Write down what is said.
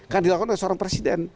kan dilakukan oleh seorang presiden